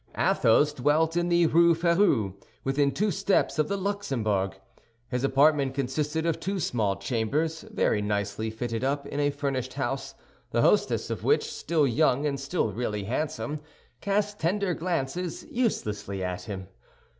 Athos dwelt in the Rue Férou, within two steps of the Luxembourg. His apartment consisted of two small chambers, very nicely fitted up, in a furnished house, the hostess of which, still young and still really handsome, cast tender glances uselessly at him.